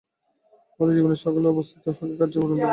আমাদের জীবনের সকল অবস্থায় উহাকে কার্যে পরিণত করিতে হইবে।